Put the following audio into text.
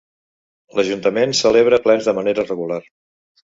L'Ajuntament celebra plens de manera regular.